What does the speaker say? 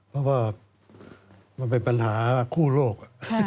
เพราะว่ามันเป็นปัญหาคู่โลก